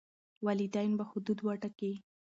والدین به حدود وټاکي.